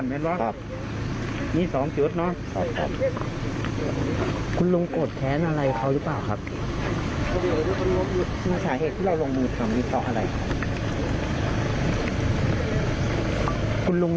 ถ้าเป็นนักที่ถูกนิดนึงเรื่องจริงไหมคุณลุง